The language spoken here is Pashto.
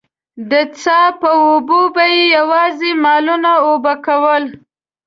د څاه په اوبو به يې يواځې مالونه اوبه کول.